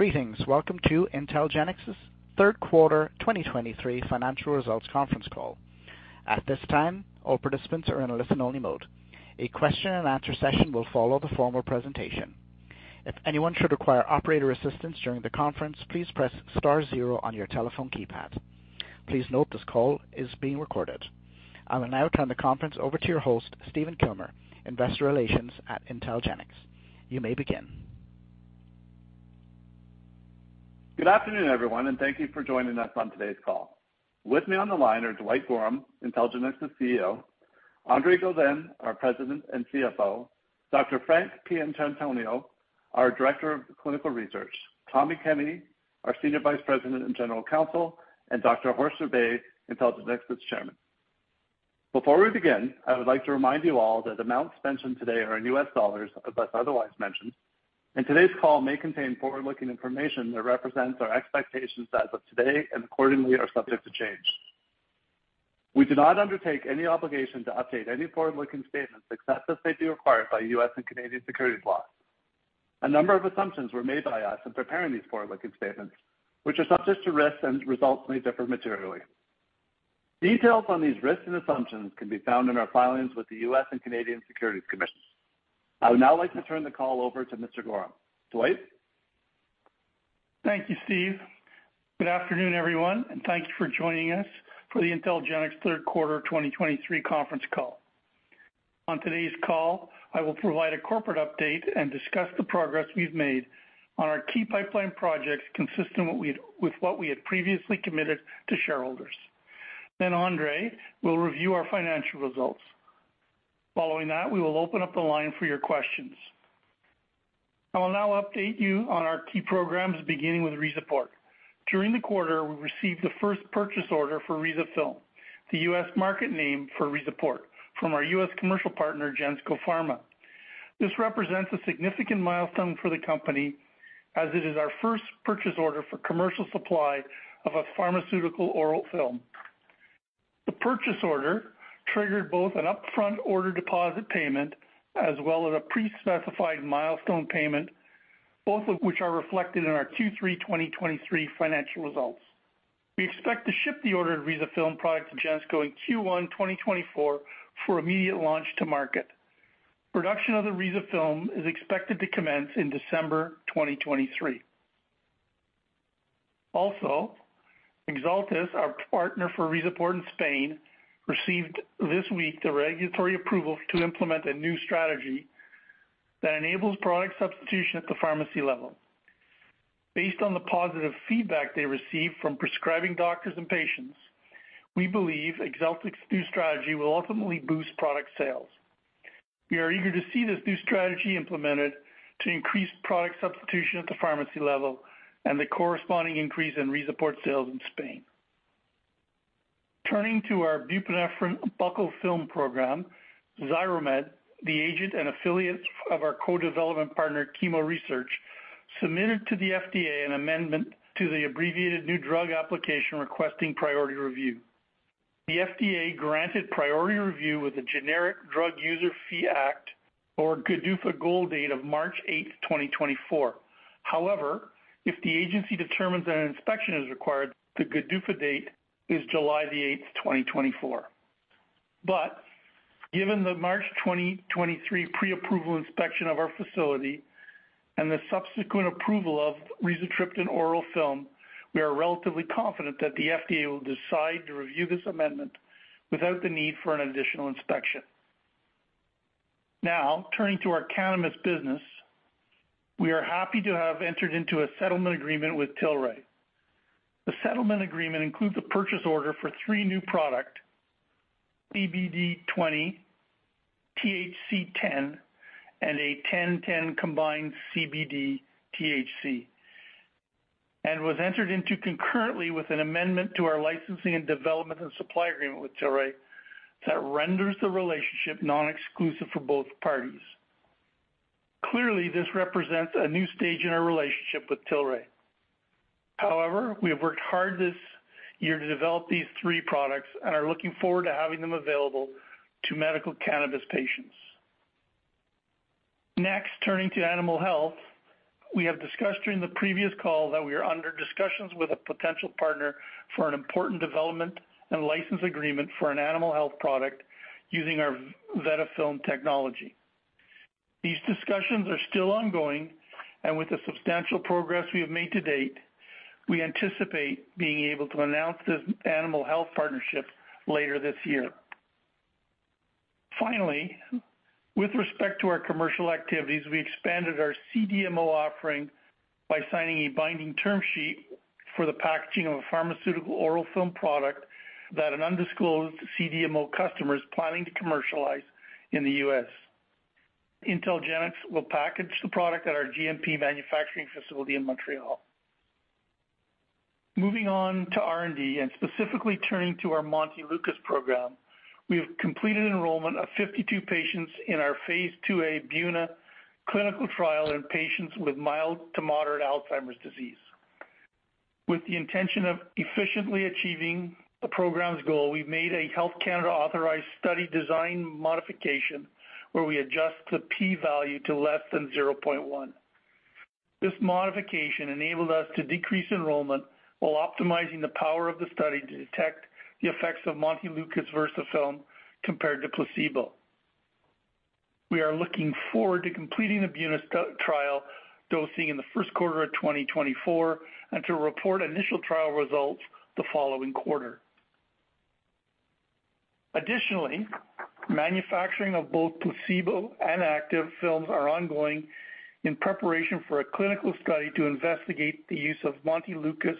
Greetings! Welcome to IntelGenx's third quarter 2023 financial results conference call. At this time, all participants are in a listen-only mode. A Q&A session will follow the formal presentation. If anyone should require operator assistance during the conference, please press star zero on your telephone keypad. Please note, this call is being recorded. I will now turn the conference over to your host, Stephen Kilmer, Investor Relations at IntelGenx. You may begin. Good afternoon, everyone, and thank you for joining us on today's call. With me on the line are Dwight Gorham, IntelGenx's CEO; Andre Godin, our President and CFO; Dr. Frank Pietrantonio, our Director of Clinical Research; Tommy Kenny, our Senior Vice President and General Counsel; and Dr. Horst G. Zerbe, IntelGenx's Chairman. Before we begin, I would like to remind you all that amounts mentioned today are in US dollars, unless otherwise mentioned, and today's call may contain forward-looking information that represents our expectations as of today, and accordingly, are subject to change. We do not undertake any obligation to update any forward-looking statements except as may be required by US and Canadian securities laws. A number of assumptions were made by us in preparing these forward-looking statements, which are subject to risks, and results may differ materially. Details on these risks and assumptions can be found in our filings with the U.S. and Canadian Securities Commissions. I would now like to turn the call over to Mr. Gorham. Dwight? Thank you, Steve. Good afternoon, everyone, and thank you for joining us for the IntelGenx Q3 2023 conference call. On today's call, I will provide a corporate update and discuss the progress we've made on our key pipeline projects, consistent with what we had previously committed to shareholders. Then Andre will review our financial results. Following that, we will open up the line for your questions. I will now update you on our key programs, beginning with RIZAPORT. During the quarter, we received the first purchase order for RIZAFILM, the U.S. market name for RIZAPORT, from our U.S. commercial partner, Gensco Pharma. This represents a significant milestone for the company, as it is our first purchase order for commercial supply of a pharmaceutical oral film. The purchase order triggered both an upfront order deposit payment as well as a pre-specified milestone payment, both of which are reflected in our Q3 2023 financial results. We expect to ship the ordered RIZAFILM product to Gensco in Q1 2024 for immediate launch to market. Production of the RIZAFILM is expected to commence in December 2023. Also, Exeltis, our partner for RIZAPORT in Spain, received this week the regulatory approval to implement a new strategy that enables product substitution at the pharmacy level. Based on the positive feedback they received from prescribing doctors and patients, we believe Exeltis' new strategy will ultimately boost product sales. We are eager to see this new strategy implemented to increase product substitution at the pharmacy level and the corresponding increase in RIZAPORT sales in Spain. Turning to our buprenorphine buccal film program, Xiromed, the agent and affiliate of our co-development partner, Chemo Research, submitted to the FDA an amendment to the abbreviated new drug application, requesting priority review. The FDA granted priority review with the Generic Drug User Fee Act, or GDUFA, goal date of March 8, 2024. However, if the agency determines that an inspection is required, the GDUFA date is July 8, 2024. But given the March 2023 pre-approval inspection of our facility and the subsequent approval of rizatriptan oral film, we are relatively confident that the FDA will decide to review this amendment without the need for an additional inspection. Now, turning to our cannabis business, we are happy to have entered into a settlement agreement with Tilray. The settlement agreement includes a purchase order for three new products, CBD 20, THC 10, and a 10/10 combined CBD THC, and was entered into concurrently with an amendment to our licensing and development and supply agreement with Tilray that renders the relationship non-exclusive for both parties. Clearly, this represents a new stage in our relationship with Tilray. However, we have worked hard this year to develop these three products and are looking forward to having them available to medical cannabis patients. Next, turning to animal health. We have discussed during the previous call that we are under discussions with a potential partner for an important development and license agreement for an animal health product using our VetaFilm technology. These discussions are still ongoing, and with the substantial progress we have made to date, we anticipate being able to announce this animal health partnership later this year. Finally, with respect to our commercial activities, we expanded our CDMO offering by signing a binding term sheet for the packaging of a pharmaceutical oral film product that an undisclosed CDMO customer is planning to commercialize in the U.S. IntelGenx will package the product at our GMP manufacturing facility in Montreal. Moving on to R&D, and specifically turning to our Montelukast program, we have completed enrollment of 52 patients in our phase 2a BUENA clinical trial in patients with mild to moderate Alzheimer's disease. With the intention of efficiently achieving the program's goal, we've made a Health Canada authorized study design modification, where we adjust the P value to less than 0.1. This modification enabled us to decrease enrollment while optimizing the power of the study to detect the effects of Montelukast VersaFilm compared to placebo. We are looking forward to completing the BUENA trial dosing in the first quarter of 2024, and to report initial trial results the following quarter. Additionally, manufacturing of both placebo and active films are ongoing in preparation for a clinical study to investigate the use of Montelukast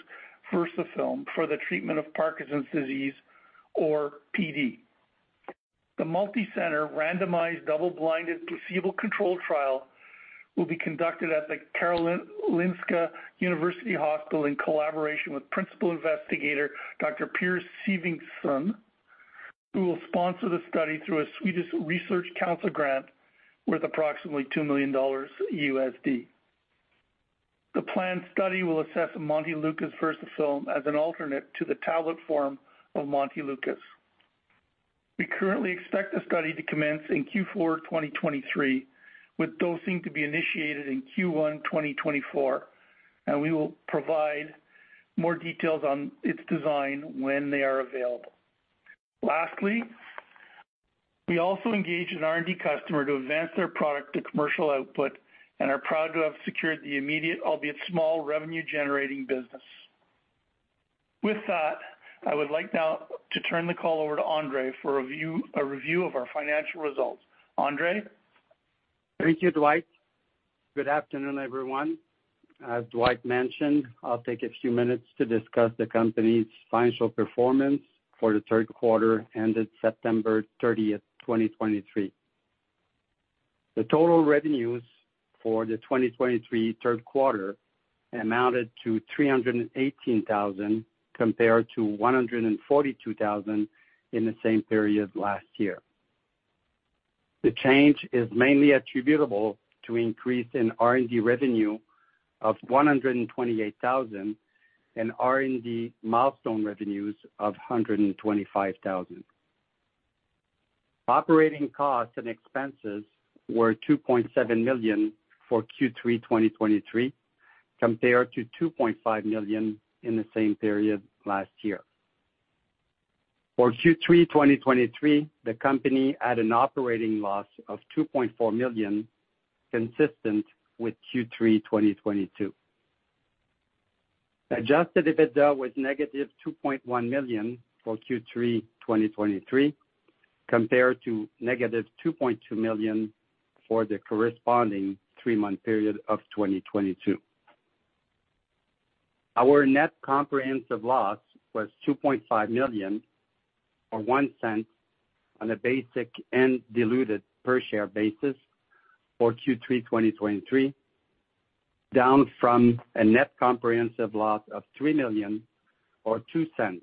VersaFilm for the treatment of Parkinson's disease, or PD. The multicenter randomized double-blinded placebo-controlled trial will be conducted at the Karolinska University Hospital in collaboration with principal investigator Dr. Per Svenningsson, who will sponsor the study through a Swedish Research Council grant worth approximately $2 million. The planned study will assess Montelukast VersaFilm as an alternate to the tablet form of Montelukast. We currently expect the study to commence in Q4 2023, with dosing to be initiated in Q1 2024, and we will provide more details on its design when they are available. Lastly, we also engaged an R&D customer to advance their product to commercial output and are proud to have secured the immediate, albeit small, revenue-generating business. With that, I would like now to turn the call over to Andre for a review of our financial results. Andre? Thank you, Dwight. Good afternoon, everyone. As Dwight mentioned, I'll take a few minutes to discuss the company's financial performance for the third quarter ended September 30, 2023. The total revenues for the 2023 third quarter amounted to $318,000, compared to $142,000 in the same period last year. The change is mainly attributable to increase in R&D revenue of $128,000 and R&D milestone revenues of $125,000. Operating costs and expenses were $2.7 million for Q3 2023, compared to $2.5 million in the same period last year. For Q3 2023, the company had an operating loss of $2.4 million, consistent with Q3 2022. Adjusted EBITDA was negative $2.1 million for Q3 2023, compared to negative $2.2 million for the corresponding three-month period of 2022. Our net comprehensive loss was $2.5 million, or $0.01 on a basic and diluted per share basis for Q3 2023, down from a net comprehensive loss of $3 million, or $0.02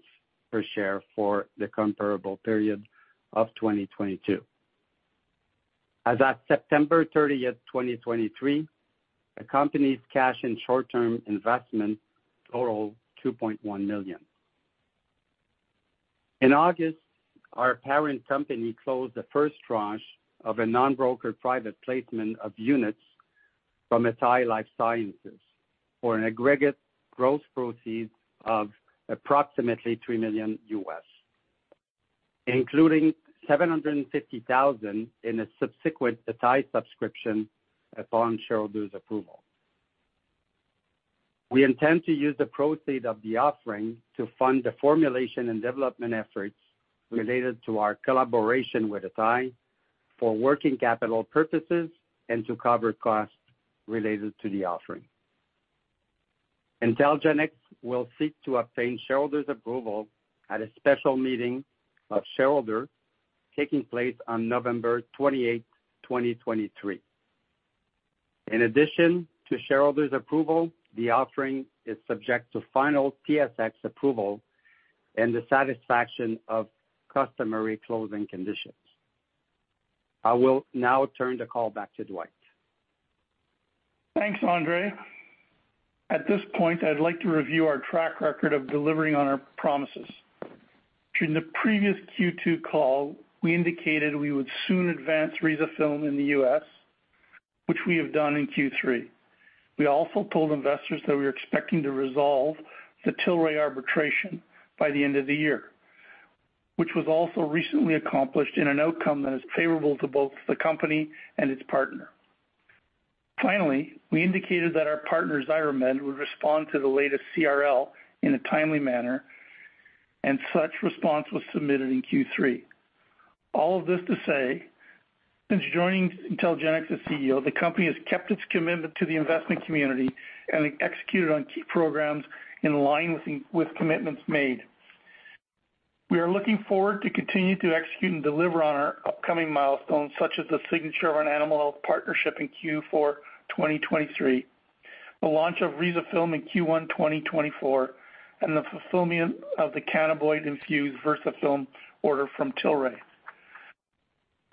per share, for the comparable period of 2022. As at September 30, 2023, the company's cash and short-term investments total $2.1 million. In August, our parent company closed the first tranche of a non-brokered private placement of units from ATAI Life Sciences for an aggregate gross proceeds of approximately $3 million, including $750,000 in a subsequent ATAI subscription upon shareholders' approval. We intend to use the proceeds of the offering to fund the formulation and development efforts related to our collaboration with ATAI for working capital purposes and to cover costs related to the offering. IntelGenx will seek to obtain shareholders' approval at a special meeting of shareholders taking place on November 28, 2023. In addition to shareholders' approval, the offering is subject to final TSX approval and the satisfaction of customary closing conditions. I will now turn the call back to Dwight. Thanks, Andre. At this point, I'd like to review our track record of delivering on our promises. During the previous Q2 call, we indicated we would soon advance RIZAFILM in the U.S., which we have done in Q3. We also told investors that we were expecting to resolve the Tilray arbitration by the end of the year, which was also recently accomplished in an outcome that is favorable to both the company and its partner. Finally, we indicated that our partner, Xiromed, would respond to the latest CRL in a timely manner, and such response was submitted in Q3. All of this to say, since joining IntelGenx as CEO, the company has kept its commitment to the investment community and executed on key programs in line with commitments made. We are looking forward to continue to execute and deliver on our upcoming milestones, such as the signature of an animal health partnership in Q4 2023, the launch of RIZAFILM in Q1 2024, and the fulfillment of the cannabinoid infused VersaFilm order from Tilray....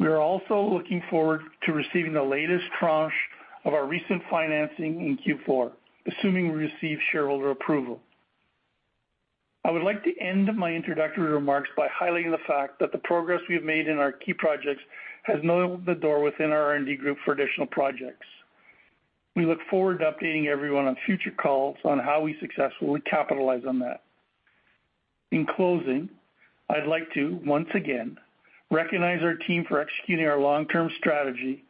We are also looking forward to receiving the latest tranche of our recent financing in Q4, assuming we receive shareholder approval. I would like to end my introductory remarks by highlighting the fact that the progress we have made in our key projects has opened the door within our R&D group for additional projects. We look forward to updating everyone on future calls on how we successfully capitalize on that. In closing, I'd like to once again recognize our team for executing our long-term strategy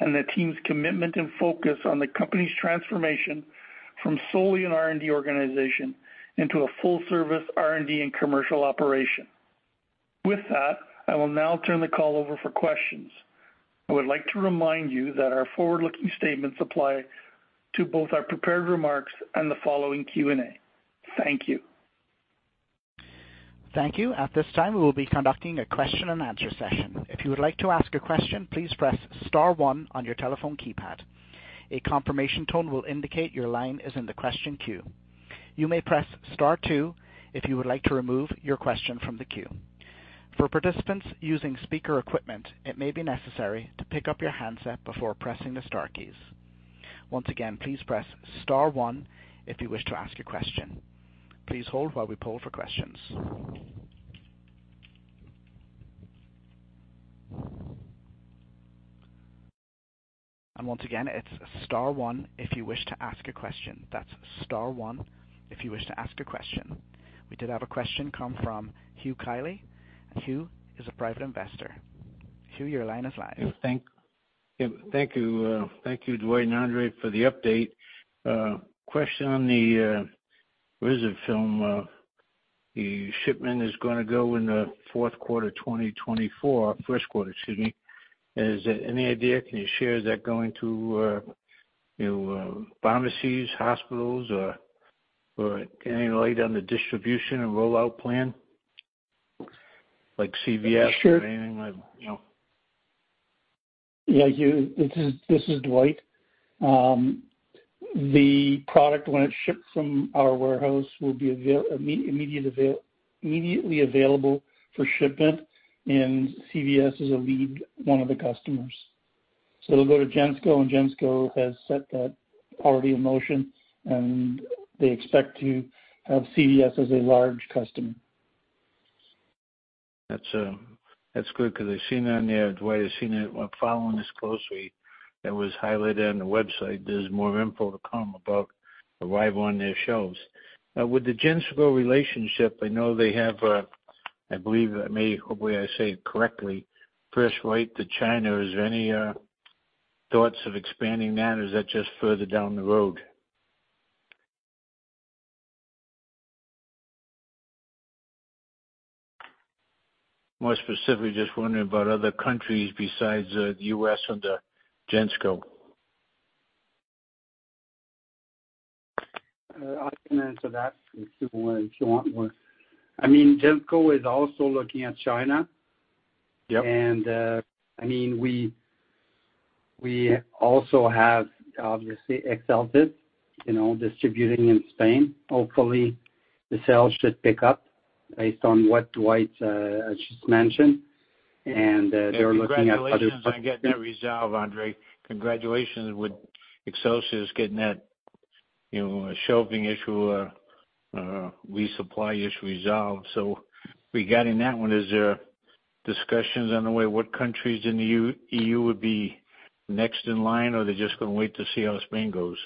and the team's commitment and focus on the company's transformation from solely an R&D organization into a full-service R&D and commercial operation. With that, I will now turn the call over for questions. I would like to remind you that our forward-looking statements apply to both our prepared remarks and the following Q&A. Thank you. Thank you. At this time, we will be conducting a question-and-answer session. If you would like to ask a question, please press star one on your telephone keypad. A confirmation tone will indicate your line is in the question queue. You may press star two if you would like to remove your question from the queue. For participants using speaker equipment, it may be necessary to pick up your handset before pressing the star keys. Once again, please press star one if you wish to ask a question. Please hold while we poll for questions. Once again, it's star one if you wish to ask a question. That's star one if you wish to ask a question. We did have a question come from Hugh Kiley. Hugh is a private investor. Hugh, your line is live. Thank you, Dwight and Andre, for the update. Question on the RIZAFILM. The shipment is gonna go in the fourth quarter, 2024. First quarter, excuse me. Is there any idea, can you share, is that going to, you know, pharmacies, hospitals, or any light on the distribution and rollout plan, like CVS or anything like, you know? Yeah, Hugh, this is Dwight. The product, when it's shipped from our warehouse, will be immediately available for shipment, and CVS is a lead, one of the customers. So it'll go to Gensco, and Gensco has set that already in motion, and they expect to have CVS as a large customer. That's, that's good because I've seen that on there, Dwight. I've seen it. I'm following this closely. It was highlighted on the website. There's more info to come about arrival on their shelves. With the Gensco relationship, I know they have, I believe, hopefully, I say it correctly, first right to China. Is there any, thoughts of expanding that, or is that just further down the road? More specifically, just wondering about other countries besides the U.S. and, Gensco. I can answer that if you want, if you want more. I mean, Gensco is also looking at China. Yep. And, I mean, we also have, obviously, Exeltis, you know, distributing in Spain. Hopefully, the sales should pick up based on what Dwight just mentioned. And, they're looking at other- Congratulations on getting that resolved, Andre. Congratulations with Exeltis getting that, you know, shelving issue or, resupply issue resolved. So regarding that one, is there discussions on the way, what countries in the EU, EU would be next in line, or are they just gonna wait to see how Spain goes?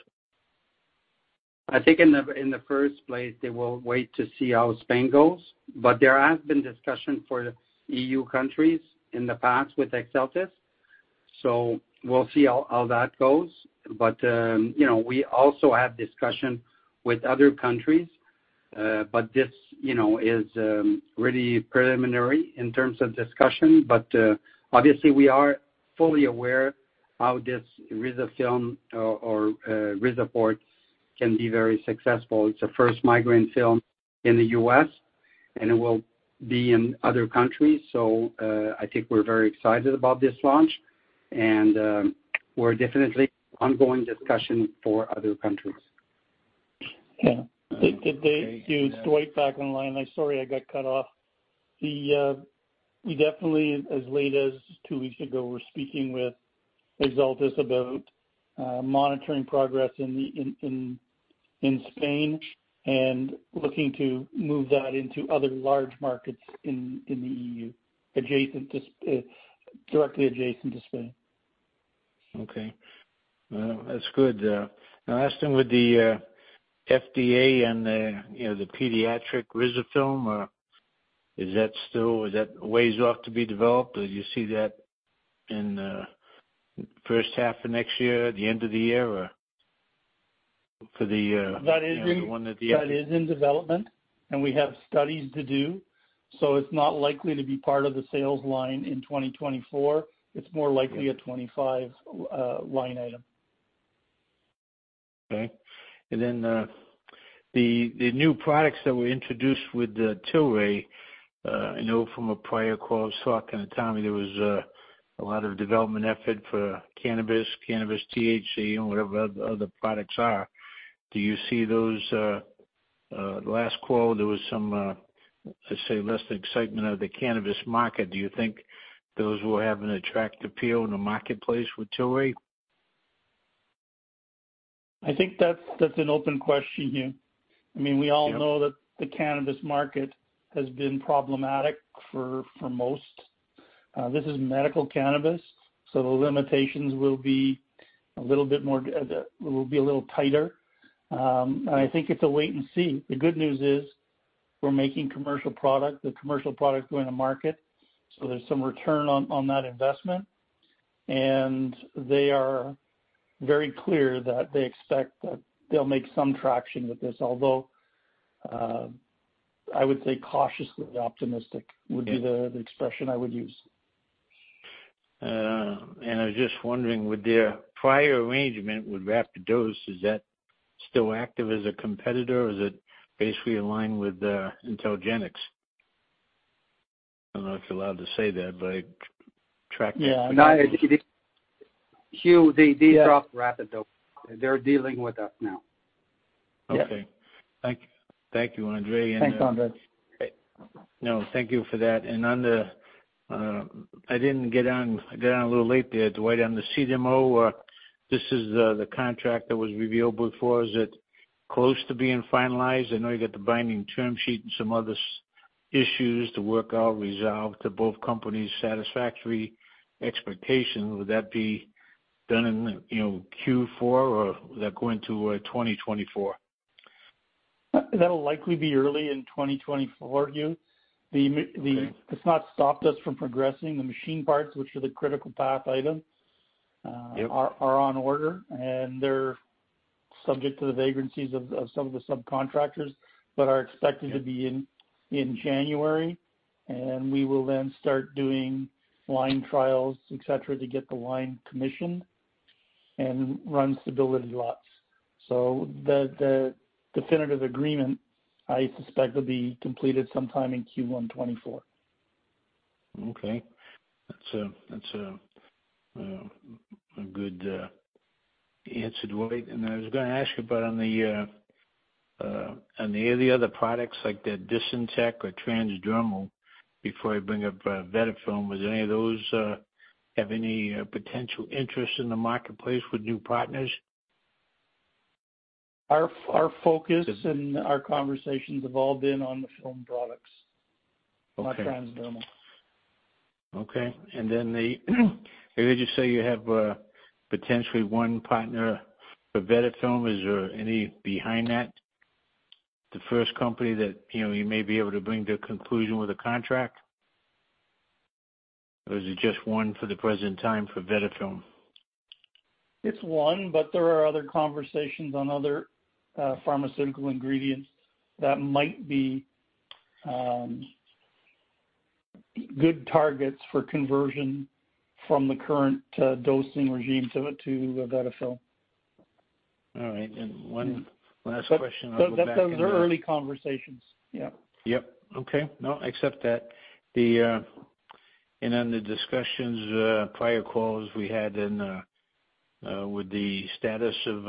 I think in the first place, they will wait to see how Spain goes. But there have been discussions for E.U. countries in the past with Exeltis, so we'll see how that goes. But, you know, we also have discussion with other countries, but this, you know, is really preliminary in terms of discussion. But, obviously, we are fully aware how this RIZAFILM or RIZAPORT can be very successful. It's the first migraine film in the U.S., and it will be in other countries. So, I think we're very excited about this launch, and, we're definitely ongoing discussion for other countries. Yeah. Did they... It's Dwight back on the line. I'm sorry, I got cut off. We definitely, as late as 2 weeks ago, were speaking with Exeltis about monitoring progress in Spain and looking to move that into other large markets in the EU, adjacent to, directly adjacent to Spain. Okay. Well, that's good. I asked them with the FDA and the, you know, the pediatric RIZAFILM, is that still, is that ways off to be developed? Do you see that in the first half of next year, the end of the year, or for the, the one that the- That is in, that is in development, and we have studies to do, so it's not likely to be part of the sales line in 2024. It's more likely a 2025 line item. Okay. And then, the new products that were introduced with the Tilray, I know from a prior call, Sawak and Tommy, there was a lot of development effort for cannabis, cannabis THC and whatever other products are. Do you see those? Last call, there was some, I'd say, less excitement of the cannabis market. Do you think those will have an attractive appeal in the marketplace with Tilray? I think that's an open question, Hugh. I mean, we all know- Yeah That the cannabis market has been problematic for most. This is medical cannabis, so the limitations will be a little bit more, will be a little tighter. I think it's a wait and see. The good news is, we're making commercial product. The commercial product go in the market, so there's some return on that investment. They are very clear that they expect that they'll make some traction with this, although I would say cautiously optimistic. Yeah Would be the expression I would use. I was just wondering, with their prior arrangement with Rapid Dose, is that still active as a competitor, or is it basically aligned with IntelGenx? I don't know if you're allowed to say that, but I tracked that. Yeah, no, Hugh, they, they dropped RapidDose. Yeah. They're dealing with us now. Okay. Yeah. Thank you, Andre, and Thanks, Andre. No, thank you for that. And on the, I got on a little late there, Dwight, on the CDMO, this is the contract that was revealed before. Is it close to being finalized? I know you got the binding term sheet and some other issues to work out, resolve to both companies' satisfactory expectation. Would that be done in, you know, Q4, or would that go into 2024? That'll likely be early in 2024, Hugh. The m- Okay. It's not stopped us from progressing. The machine parts, which are the critical path item. Yep... are on order, and they're subject to the vagrancies of some of the subcontractors, but are expected- Yep to be in in January. And we will then start doing line trials, et cetera, to get the line commissioned and run stability lots. So the definitive agreement, I suspect, will be completed sometime in Q1 2024. Okay. That's a good answer, Dwight. I was gonna ask you about any of the other products like the DisinteQ or VevaDerm before I bring up VetaFilm. Would any of those have any potential interest in the marketplace with new partners? Our focus- Yes Our conversations have all been on the film products. Okay. Not transdermal. Okay, and then the, did you say you have potentially one partner for VetaFilm? Is there any behind that? The first company that, you know, you may be able to bring to conclusion with a contract, or is it just one for the present time for VetaFilm? It's one, but there are other conversations on other pharmaceutical ingredients that might be good targets for conversion from the current dosing regimes of it to VetaFilm. All right, and one last question, I'll go back- But those are early conversations. Yeah. Yep. Okay. No, I accept that. And on the discussions, prior calls we had, and with the status of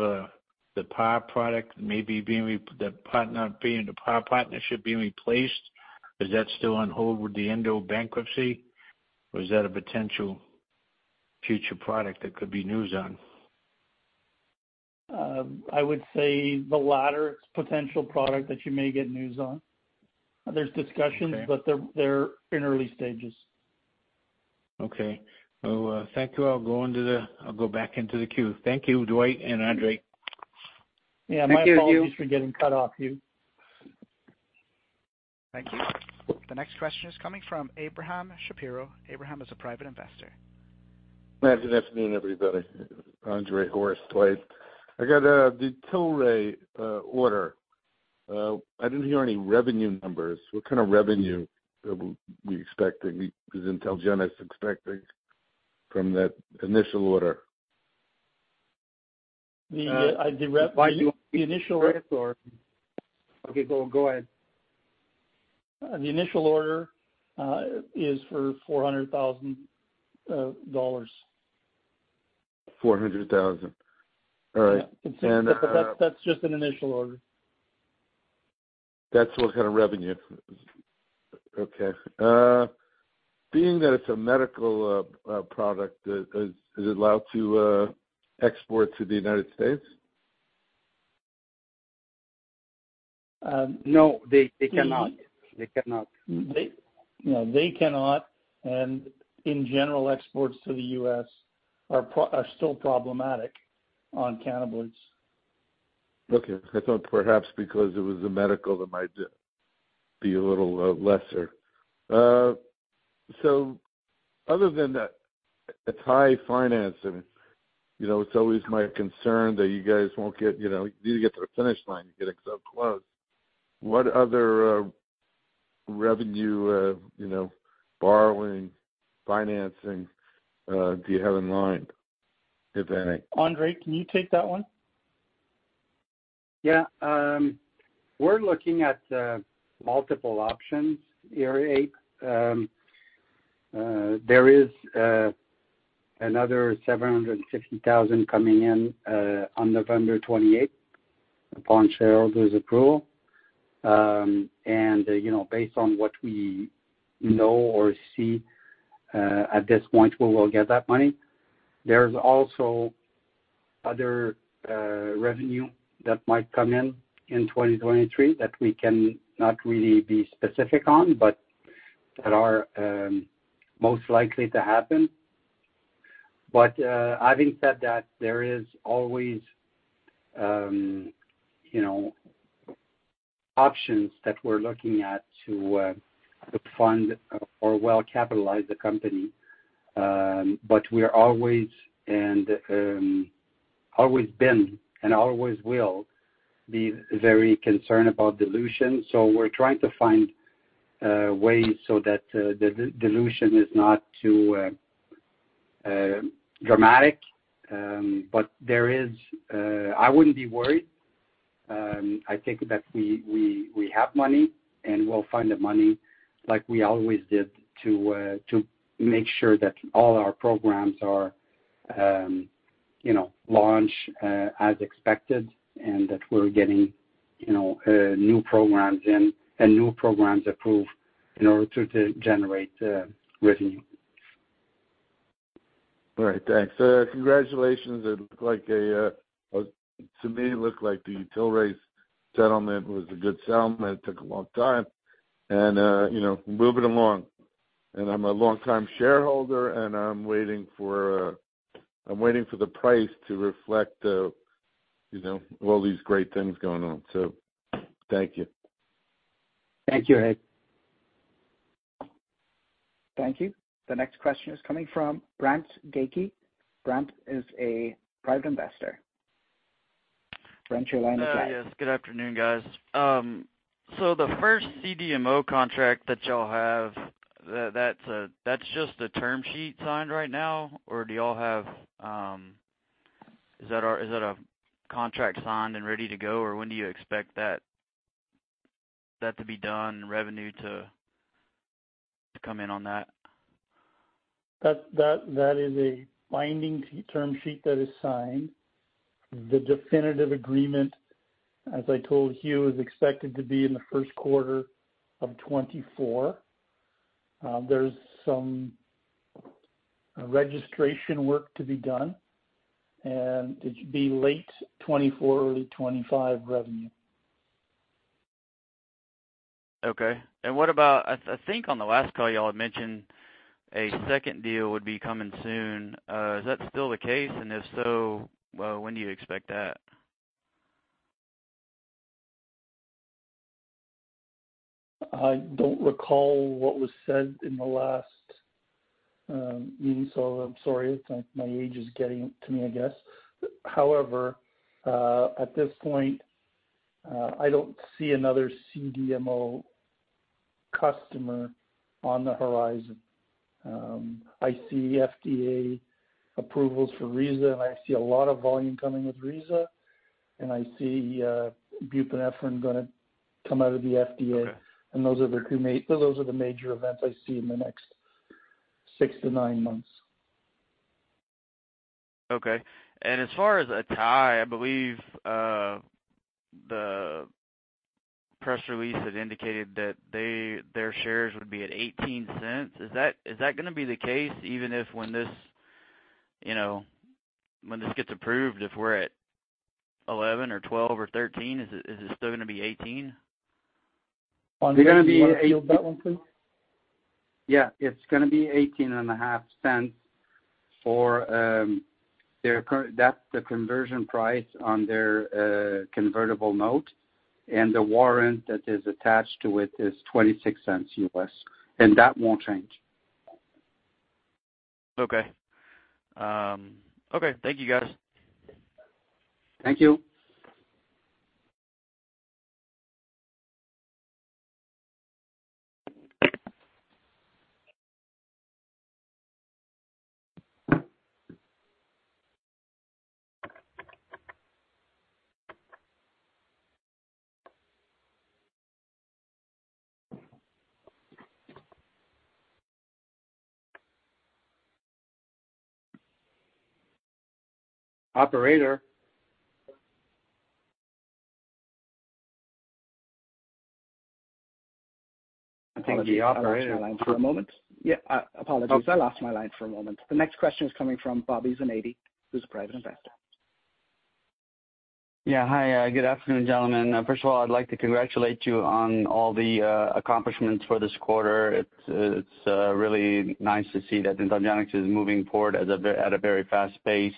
the Par product maybe being the partner, being the Par partnership being replaced, is that still on hold with the Endo bankruptcy, or is that a potential future product that could be news on? I would say the latter. Potential product that you may get news on. There's discussions- Okay... but they're in early stages. Okay. Well, thank you. I'll go back into the queue. Thank you, Dwight and Andre. Yeah. Thank you, Hugh. My apologies for getting cut off, Hugh. Thank you. The next question is coming from Abraham Shapiro. Abraham is a private investor. Good afternoon, everybody, Andre, Horst, Dwight. I got the Tilray order. I didn't hear any revenue numbers. What kind of revenue we expecting, is IntelGenx expecting from that initial order? The re- Why you- The initial- Okay, go, go ahead. The initial order is for $400,000. $400,000. All right. Yeah. And, uh- But that, that's just an initial order. That's what kind of revenue. Okay. Being that it's a medical product, is it allowed to export to the United States? No, they cannot. They cannot. They, you know, they cannot, and in general, exports to the U.S. are still problematic on cannabis. Okay. I thought perhaps because it was a medical, it might be a little lesser. So other than that, it's high finance and, you know, it's always my concern that you guys won't get, you know, you get to the finish line, you get so close. What other revenue, you know, borrowing, financing do you have in mind, if any? Andre, can you take that one? Yeah, we're looking at multiple options here, Abe.... There is another $750,000 coming in on November 28th, upon shareholders' approval. And, you know, based on what we know or see at this point, we will get that money. There's also other revenue that might come in in 2023, that we can not really be specific on, but that are most likely to happen. But having said that, there is always, you know, options that we're looking at to to fund or well-capitalize the company. But we're always and always been and always will be very concerned about dilution. So we're trying to find ways so that the dilution is not too dramatic. But there is... I wouldn't be worried. I think that we have money, and we'll find the money like we always did to make sure that all our programs are, you know, launched as expected, and that we're getting, you know, new programs in and new programs approved in order to generate revenue. All right, thanks. Congratulations. It looked like a, to me, it looked like the Tilray settlement was a good settlement. It took a long time and, you know, moving along. And I'm a longtime shareholder, and I'm waiting for, I'm waiting for the price to reflect, you know, all these great things going on. So thank you. Thank you, Ab. Thank you. The next question is coming from Brandt Gaeke. Brandt is a private investor. Brandt, your line is open. Yes, good afternoon, guys. So the first CDMO contract that y'all have, that's just a term sheet signed right now, or do y'all have... Is that a contract signed and ready to go, or when do you expect that to be done, revenue to come in on that? That is a binding term sheet that is signed. The definitive agreement, as I told Hugh, is expected to be in the first quarter of 2024. There's some registration work to be done, and it should be late 2024, early 2025 revenue. Okay. And what about, I think on the last call, y'all had mentioned a second deal would be coming soon. Is that still the case? And if so, when do you expect that? I don't recall what was said in the last meeting, so I'm sorry. It's like my age is getting to me, I guess. However, at this point, I don't see another CDMO customer on the horizon. I see FDA approvals for Riza, and I see a lot of volume coming with Riza, and I see buprenorphine gonna come out of the FDA. Okay. Those are the two major events I see in the next six-nine months. Okay. And as far as ATAI, I believe, the press release had indicated that they, their shares would be at $0.18. Is that, is that gonna be the case, even if, when this, you know, when this gets approved, if we're at $0.11 or $0.12 or $0.13, is it, is it still gonna be $0.18? On- They're gonna be 8- Can you field that one, please? Yeah, it's gonna be $0.18 half. That's the conversion price on their convertible note, and the warrant that is attached to it is $0.26, and that won't change. Okay. Okay. Thank you, guys. Thank you. Operator? I think the operator- I lost my line for a moment. Yeah, apologies. Okay. I lost my line for a moment. The next question is coming from Bobby Zinati, who's a private investor. Yeah. Hi, good afternoon, gentlemen. First of all, I'd like to congratulate you on all the accomplishments for this quarter. It's really nice to see that IntelGenx is moving forward as a at a very fast pace,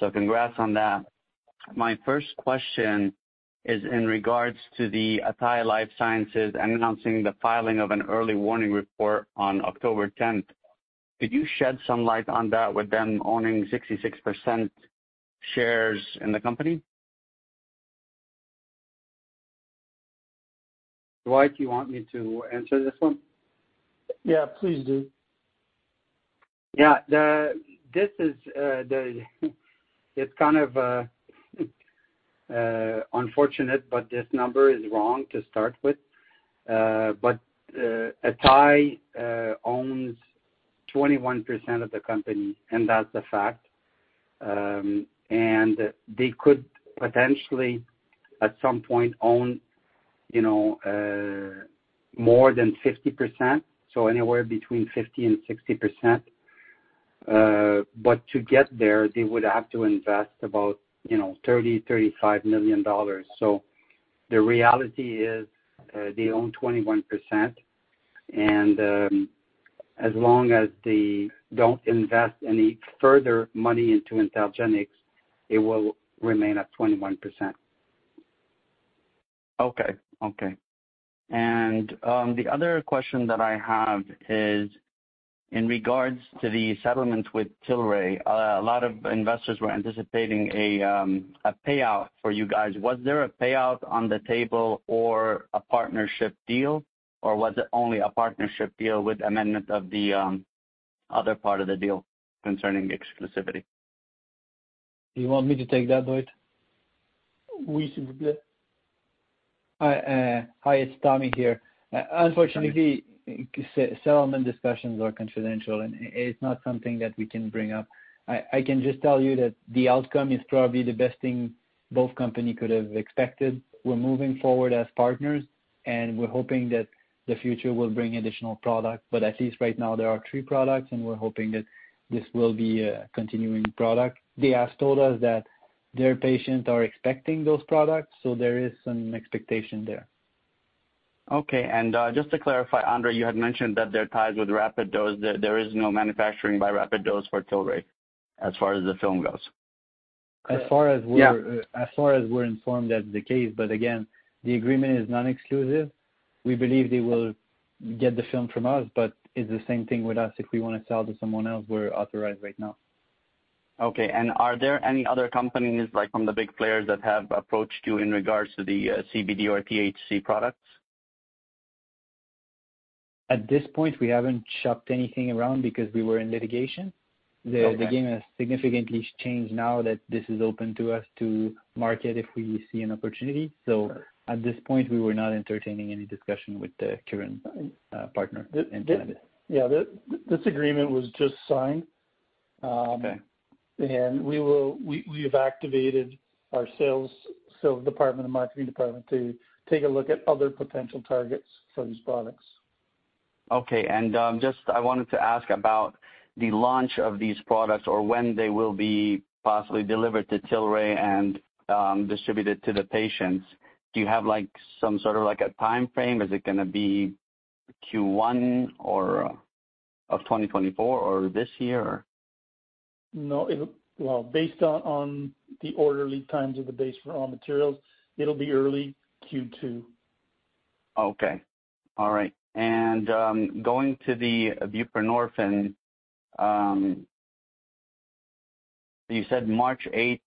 so congrats on that. My first question is in regards to the ATAI Life Sciences announcing the filing of an early warning report on October tenth. Could you shed some light on that, with them owning 66% shares in the company? Dwight, you want me to answer this one? Yeah, please do. Yeah, this is kind of unfortunate, but this number is wrong to start with. But ATAI owns 21% of the company, and that's a fact. And they could potentially, at some point, own, you know, more than 50%, so anywhere between 50% and 60%. But to get there, they would have to invest about, you know, $30-$35 million. So the reality is, they own 21%, and, as long as they don't invest any further money into IntelGenx, it will remain at 21%. Okay. Okay. The other question that I have is in regards to the settlement with Tilray. A lot of investors were anticipating a payout for you guys. Was there a payout on the table or a partnership deal, or was it only a partnership deal with amendment of the other part of the deal concerning exclusivity? Do you want me to take that, Dwight? We should be- Hi, hi, it's Tommy here. Unfortunately, Tommy. Settlement discussions are confidential, and it's not something that we can bring up. I can just tell you that the outcome is probably the best thing both company could have expected. We're moving forward as partners, and we're hoping that the future will bring additional product. But at least right now, there are three products, and we're hoping that this will be a continuing product. They have told us that their patients are expecting those products, so there is some expectation there. Okay, just to clarify, Andre, you had mentioned that their ties with Rapid Dose, that there is no manufacturing by Rapid Dose for Tilray, as far as the film goes. As far as we're- Yeah. As far as we're informed, that's the case. But again, the agreement is non-exclusive. We believe they will get the film from us, but it's the same thing with us: if we want to sell to someone else, we're authorized right now. Okay. And are there any other companies, like, from the big players that have approached you in regards to the, CBD or THC products? At this point, we haven't shopped anything around because we were in litigation. Okay. The game has significantly changed now that this is open to us to market if we see an opportunity. Sure. So at this point, we were not entertaining any discussion with the current partner, IntelGenx. Yeah, this agreement was just signed. Okay. We have activated our sales department and marketing department to take a look at other potential targets for these products. Okay. And, just I wanted to ask about the launch of these products or when they will be possibly delivered to Tilray and, distributed to the patients. Do you have, like, some sort of, like, a timeframe? Is it gonna be Q1 or, of 2024, or this year, or? No. It'll, well, based on the order lead times for raw materials, it'll be early Q2. Okay. All right. And, going to the buprenorphine, you said March eighth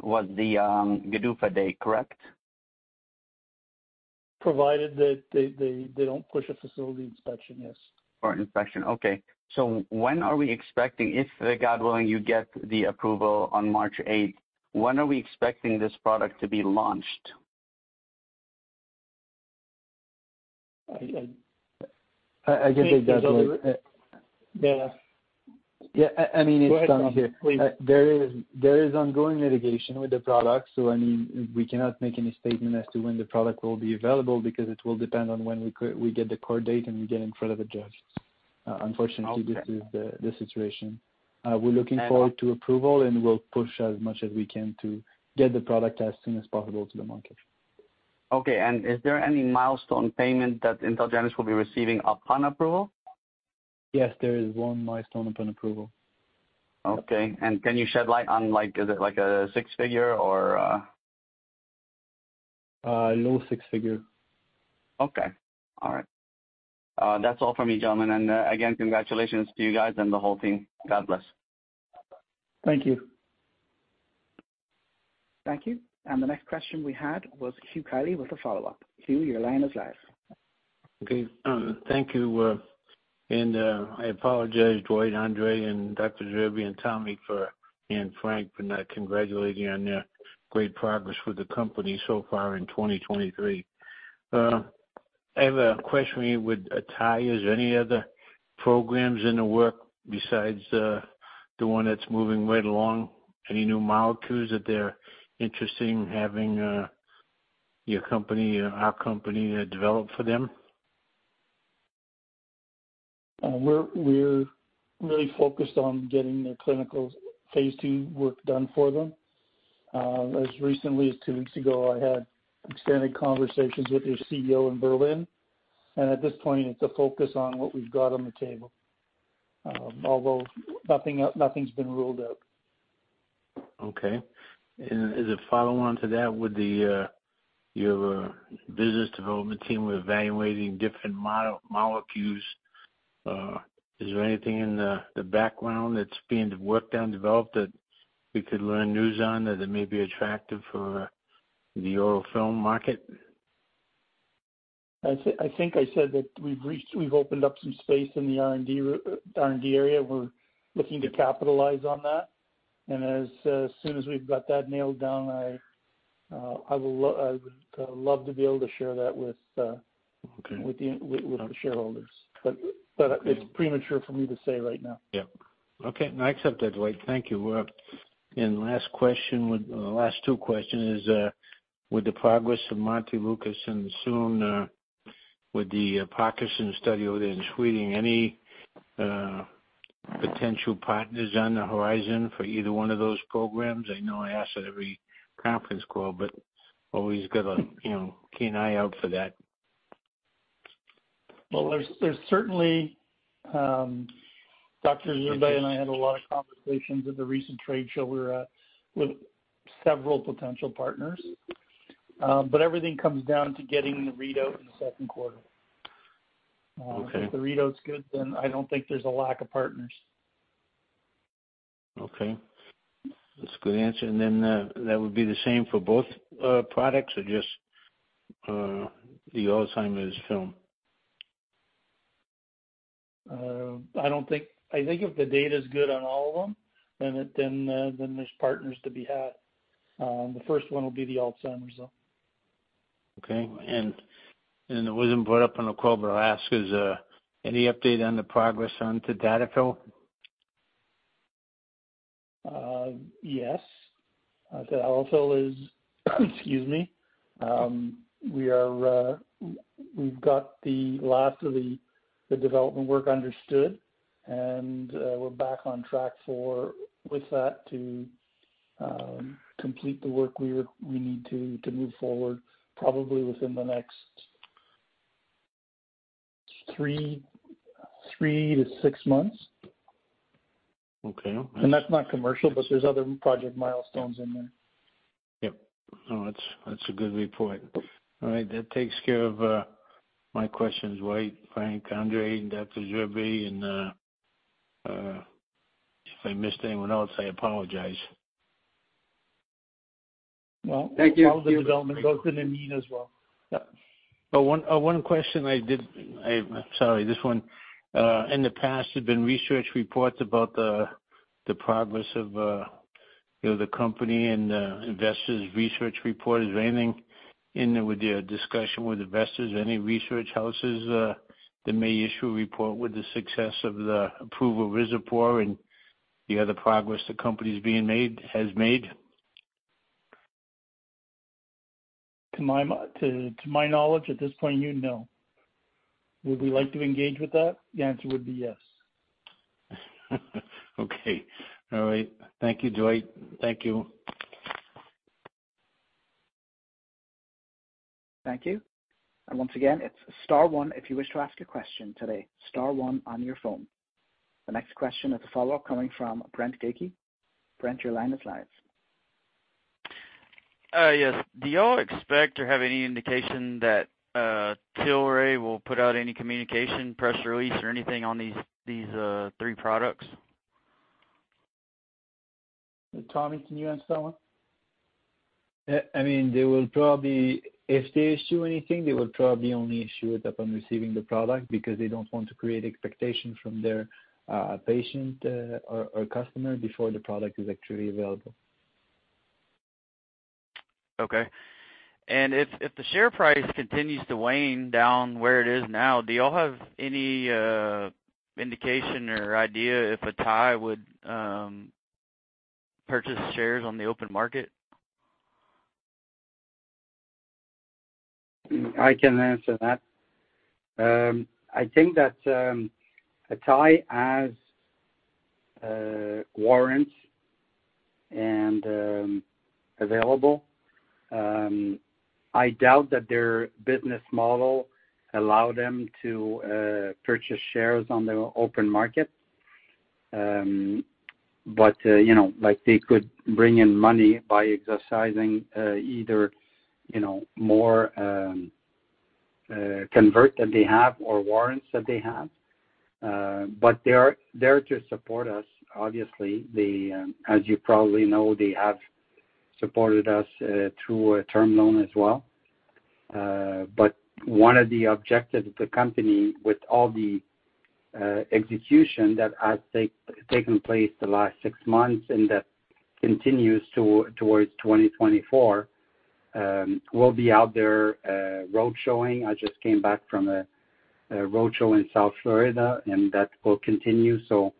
was the GDUFA date, correct? Provided that they don't push a facility inspection, yes. Or inspection. Okay. So when are we expecting, if, God willing, you get the approval on March eighth, when are we expecting this product to be launched? I, I- I can take that, Dwight. Yeah. Yeah, I mean, it's done here. Please. There is ongoing litigation with the product, so, I mean, we cannot make any statement as to when the product will be available because it will depend on when we get the court date and we get in front of a judge. Unfortunately- Okay... this is the situation. We're looking forward- I know... to approval, and we'll push as much as we can to get the product as soon as possible to the market. Okay. And is there any milestone payment that IntelGenx will be receiving upon approval? Yes, there is one milestone upon approval. Okay. And can you shed light on, like, is it, like, a six figure or...? Low six figure. Okay. All right. That's all for me, gentlemen. And, again, congratulations to you guys and the whole team. God bless. Thank you. Thank you. And the next question we had was Hugh Kylie with a follow-up. Hugh, your line is live. Okay. Thank you, and I apologize, Dwight, Andre, and Dr. Zerbe and Tommy for, and Frank, for not congratulating on their great progress with the company so far in 2023. I have a question with ATAI. Is there any other programs in the work besides the one that's moving right along? Any new molecules that they're interested in having your company or our company develop for them? We're really focused on getting their clinical phase II work done for them. As recently as two weeks ago, I had extended conversations with their CEO in Berlin, and at this point, it's a focus on what we've got on the table. Although nothing's been ruled out. Okay. And as a follow-on to that, would the, your, business development team evaluating different molecules, is there anything in the, the background that's being worked on, developed, that we could learn news on, that it may be attractive for the oral film market?... I think I said that we've opened up some space in the R&D area. We're looking to capitalize on that, and as soon as we've got that nailed down, I would love to be able to share that with... Okay. with the shareholders. But it's premature for me to say right now. Yep. Okay, I accept that, Dwight. Thank you. And last question, well, the last two questions is, with the progress of Montelukast and soon, with the Parkinson's study out in Sweden, any potential partners on the horizon for either one of those programs? I know I ask at every conference call, but always got a, you know, keen eye out for that. Well, there's certainly Dr. Zerbe and I had a lot of conversations at the recent trade show. We're with several potential partners, but everything comes down to getting the readout in the second quarter. Okay. If the readout's good, then I don't think there's a lack of partners. Okay. That's a good answer. And then, that would be the same for both products, or just the Alzheimer's film? I think if the data's good on all of them, then there's partners to be had. The first one will be the Alzheimer's, though. Okay. And it wasn't brought up on the call, but I'll ask, is any update on the progress on Tadalafil? Yes. Tadalafil is, excuse me, we are, we've got the last of the development work understood, and, we're back on track for, with that to, complete the work we would, we need to, to move forward, probably within the next three-six months. Okay. That's not commercial, but there's other project milestones in there. Yep. No, that's, that's a good report. All right, that takes care of my questions, Dwight, Frank, Andre, and Dr. Zerbe, and if I missed anyone else, I apologize. Well, thank you. All the development both in India as well. Yep. But one question. In the past, there's been research reports about the progress of, you know, the company and investors research reports. Is there anything in there with your discussion with investors, any research houses that may issue a report with the success of the approval of RIZAPORT and, you know, the progress the company's being made—has made? To my knowledge, at this point in view, no. Would we like to engage with that? The answer would be yes. Okay. All right. Thank you, Dwight. Thank you. Thank you. And once again, it's star one if you wish to ask a question today. Star one on your phone. The next question is a follow-up coming from Brandt Gaeke. Brandt, your line is live. Yes. Do y'all expect or have any indication that Tilray will put out any communication, press release or anything on these three products? Tommy, can you answer that one? I mean, they will probably. If they issue anything, they will probably only issue it upon receiving the product, because they don't want to create expectation from their patient or customer before the product is actually available. Okay. And if the share price continues to wane down where it is now, do y'all have any indication or idea if ATAI would purchase shares on the open market? I can answer that. I think that ATAI has warrants and available. I doubt that their business model allow them to purchase shares on the open market. But you know like they could bring in money by exercising either you know more convertibles that they have or warrants that they have. But they are there to support us. Obviously they as you probably know they have supported us through a term loan as well. But one of the objectives of the company with all the execution that has taken place the last six months and that continues towards 2024 we'll be out there road showing. I just came back from a roadshow in South Florida and that will continue. So,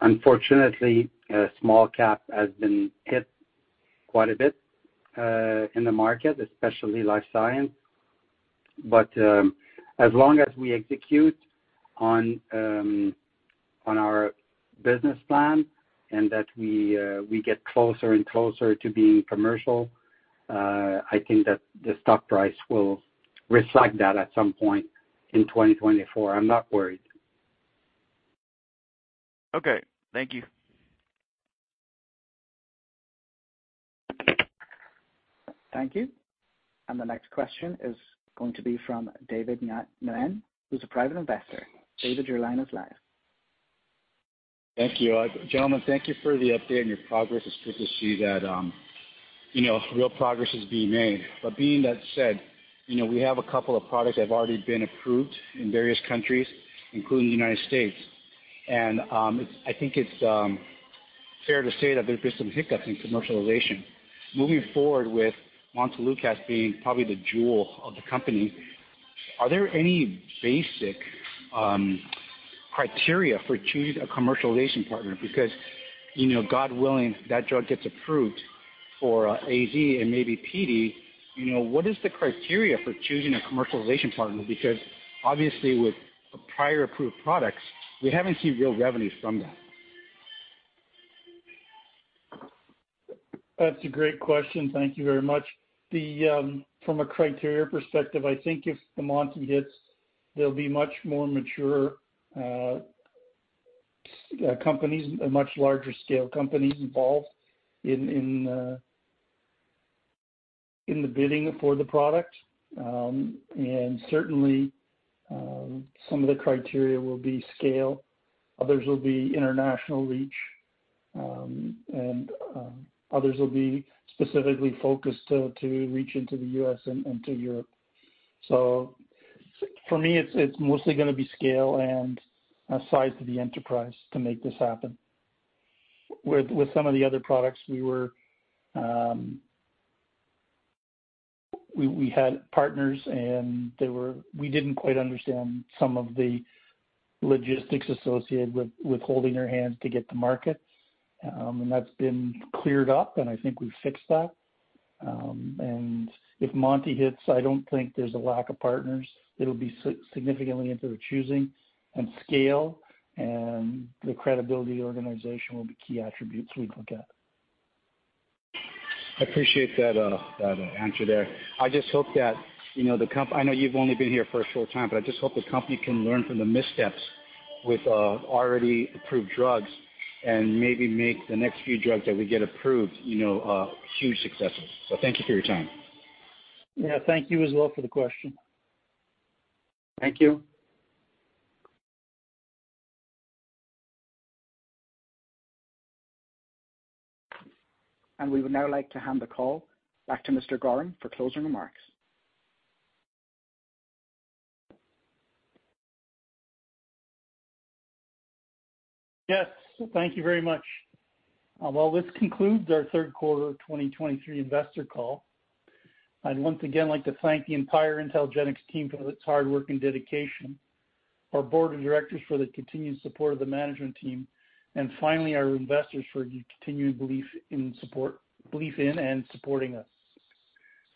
unfortunately, a small cap has been hit quite a bit in the market, especially life science. But as long as we execute on our business plan and that we get closer and closer to being commercial, I think that the stock price will reflect that at some point in 2024. I'm not worried. Okay. Thank you. Thank you. The next question is going to be from David Nguyen, who's a private investor. David, your line is live. Thank you. Gentlemen, thank you for the update on your progress. It's good to see that, you know, real progress is being made. But being that said, you know, we have a couple of products that have already been approved in various countries, including the United States. And, I think it's fair to say that there's been some hiccups in commercialization. Moving forward with Montelukast being probably the jewel of the company, are there any basic criteria for choosing a commercialization partner? Because, you know, God willing, that drug gets approved for AZ and maybe PD, you know, what is the criteria for choosing a commercialization partner? Because obviously, with prior approved products, we haven't seen real revenues from them. That's a great question. Thank you very much. The from a criteria perspective, I think if the Monti hits, there'll be much more mature companies, much larger scale companies involved in the bidding for the product. And certainly, some of the criteria will be scale, others will be international reach, and others will be specifically focused to reach into the U.S. and to Europe. So for me, it's mostly gonna be scale and a size of the enterprise to make this happen. With some of the other products, we were. We had partners, and they were we didn't quite understand some of the logistics associated with holding their hands to get to market. And that's been cleared up, and I think we've fixed that. If Monti hits, I don't think there's a lack of partners. It'll be significantly into the choosing, and scale, and the credibility of the organization will be key attributes we look at. I appreciate that, that answer there. I just hope that, you know, the company, I know you've only been here for a short time, but I just hope the company can learn from the missteps with already approved drugs and maybe make the next few drugs that we get approved, you know, huge successes. So thank you for your time. Yeah. Thank you as well for the question. Thank you. We would now like to hand the call back to Mr. Gorham for closing remarks. Yes, thank you very much. Well, this concludes our third quarter of 2023 investor call. I'd once again like to thank the entire IntelGenx team for its hard work and dedication, our board of directors for the continued support of the management team, and finally, our investors for your continued belief in and supporting us.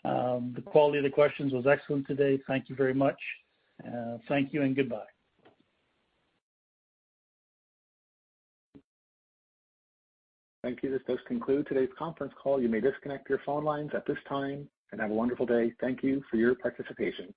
The quality of the questions was excellent today. Thank you very much, thank you and goodbye. Thank you. This does conclude today's conference call. You may disconnect your phone lines at this time and have a wonderful day. Thank you for your participation.